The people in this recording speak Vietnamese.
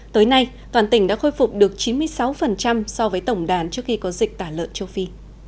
tới nay toàn tỉnh đã khôi phục được chín mươi sáu so với tổng đàn trước khi có dịch tả lợn châu phi